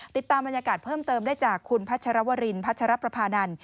ติดตามบรรยากาศเพิ่มเติมได้จากคุณพัชรวรินพัชรประพานันท